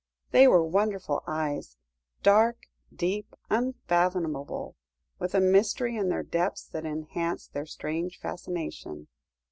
They were wonderful eyes dark, deep, unfathomable with a mystery in their depths that enhanced their strange fascination.